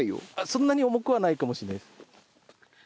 そんなに重くはないかもしれないです。